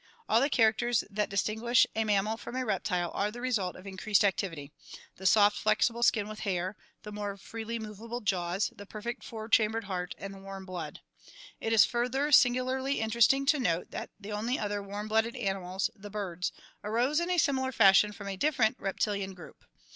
All the characters that distinguish a mam mal from a reptile are the result of increased activity — the soft flexible skin with hair, the more freely movable jaws, the perfect four chambered heart, and the warm blood. It is further singularly interesting to note that the only other warm blooded animals, the birds, arose in a similar fashion from a different reptilian group.